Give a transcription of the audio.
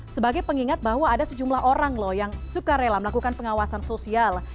sebagai pengingat bahwa ada sejumlah orang loh yang suka rela melakukan pengawasan sosial